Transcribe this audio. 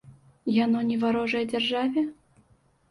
Яно не варожае дзяржаве?